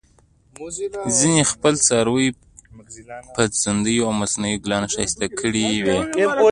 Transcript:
ځینې خپل څاروي په ځونډیو او مصنوعي ګلانو ښایسته کړي وي.